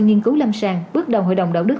nghiên cứu lâm sàng bước đầu hội đồng đạo đức